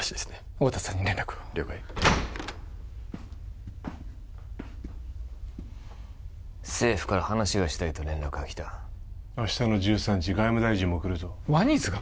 太田さんに連絡を了解政府から話がしたいと連絡がきた明日の１３時外務大臣も来るぞワニズが？